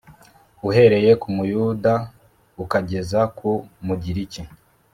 uhereye ku Muyuda ukageza ku Mugiriki,